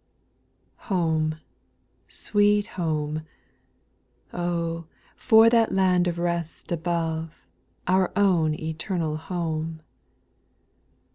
. Home, sweet home I Oh I for that land of rest above, Our own eternal home